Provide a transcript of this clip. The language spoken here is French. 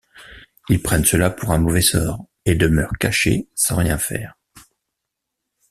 Ils prennent cela pour un mauvais sort et demeurent cachés sans rien faire.